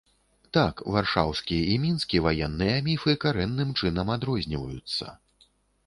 Так, варшаўскі і мінскі ваенныя міфы карэнным чынам адрозніваюцца.